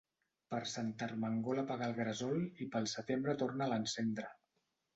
Per Sant Ermengol apaga el gresol i pel setembre torna'l a encendre.